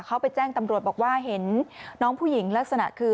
เขาไปแจ้งตำรวจบอกว่าเห็นน้องผู้หญิงลักษณะคือ